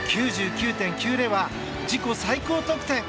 ９９．９０は自己最高得点。